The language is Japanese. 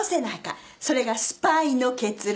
それがスパイの結論。